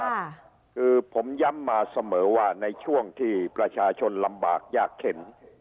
ค่ะคือผมย้ำมาเสมอว่าในช่วงที่ประชาชนลำบากยากเข็น